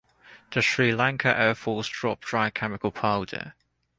The Sri Lanka Air Force dropped dry chemical powder.